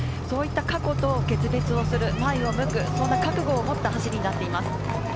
そういった過去と決別する、前を向く、覚悟を持った走りになっています。